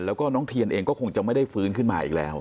แล้วก็น้องเทียนเองก็คงจะไม่ได้ฟื้นขึ้นมาอีกแล้ว